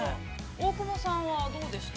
◆大久保さんは、どうでした？